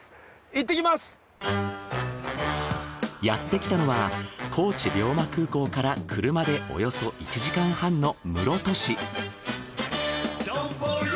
やってきたのは高知龍馬空港から車でおよそ１時間半の室戸市。